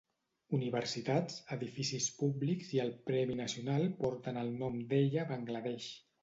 Universitats, edificis públics i el premi nacional porten el nom d'ella a Bangladesh.